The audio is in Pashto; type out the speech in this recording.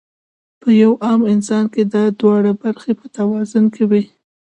پۀ يو عام انسان کې دا دواړه برخې پۀ توازن کې وي -